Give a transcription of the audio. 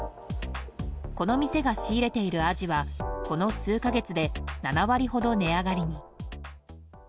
この店が仕入れているアジはこの数か月で７割ほど値上がりに。